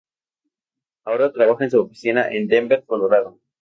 Ahora trabaja en su oficina en Denver, Colorado.